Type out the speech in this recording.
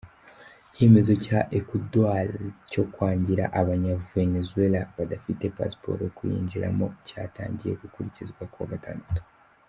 Icyemezo cya Ecuador cyo kwangira Abanyavenezuela badafite pasiporo kuyinjiramo, cyatangiye gukurikizwa ku wa gatandatu.